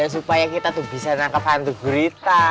supaya kita tuh bisa nangkep hantu gurita